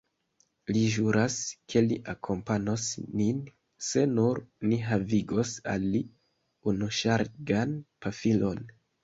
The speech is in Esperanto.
Li ĵuras, ke li akompanos nin, se nur ni havigos al li unuŝargan pafilon.